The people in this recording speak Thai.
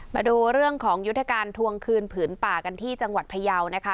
มาดูเรื่องของยุทธการทวงคืนผืนป่ากันที่จังหวัดพยาวนะคะ